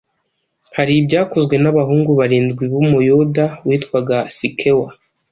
Hari ibyakozwe n’“abahungu barindwi b’umuyuda witwaga Sikewa,